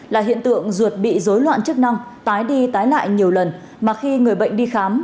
là hiện tượng ruột bị dối loạn chức năng tái đi tái lại nhiều lần mà khi người bệnh đi khám